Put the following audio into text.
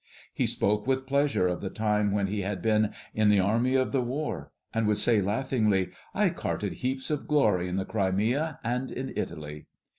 He spoke with pleasure of the time when he had been "in the army of the war," and would say laughingly, "I carted heaps of glory in the Crimea and in Italy."